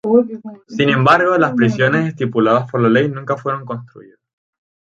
Sin embargo, las prisiones estipuladas por la ley nunca fueron construidas.